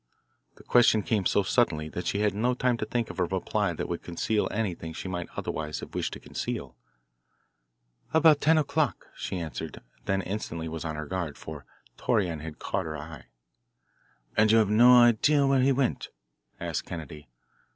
The question came so suddenly that she had no time to think of a reply that would conceal anything she might otherwise have wished to conceal. "About ten o'clock," she answered, then instantly was on her guard, for Torreon had caught her eye. "And you have no idea where he went?" asked Kennedy.